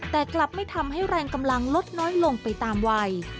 แต่กลับไม่ทำให้แรงกำลังลดน้อยลงไปตามวัย